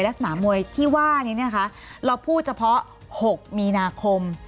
สนามมวยที่ว่านี้นะคะเราพูดเฉพาะ๖มีนาคม